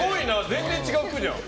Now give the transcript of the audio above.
全然違う服じゃん。